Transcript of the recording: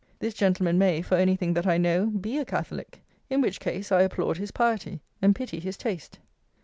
This gentleman may, for anything that I know, be a Catholic; in which case I applaud his piety and pity his taste.